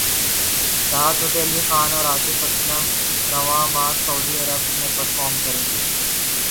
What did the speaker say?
راحت فتح علی خان اور عاطف اسلم رواں ماہ سعودی عرب میں پرفارم کریں گے